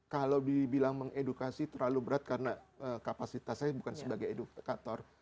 kalau dibilang mengedukasi terlalu berat karena kapasitas saya bukan sebagai edukator